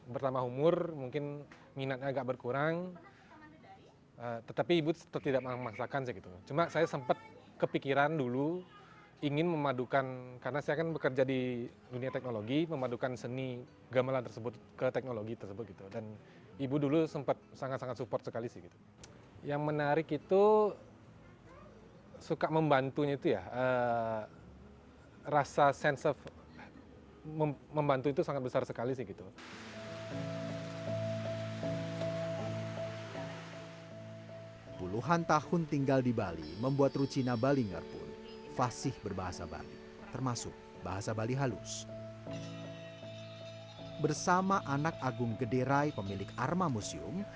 bersama anak agung gederai pemilik arma museum